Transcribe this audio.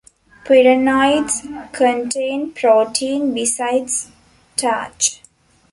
Pyrenoids contain protein besides starch.